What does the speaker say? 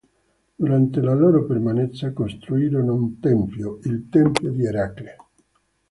Durante la loro permanenza, costruirono un tempio, il tempio di Eracle.